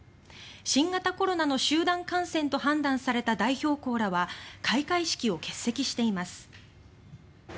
新型コロナの集団感染と判断された代表校らは開会式を欠席しています。